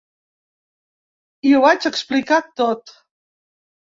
I ho vaig explicar tot.